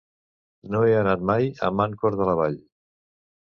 No he anat mai a Mancor de la Vall.